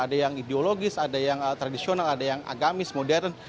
ada yang tradisional ada yang agamis modern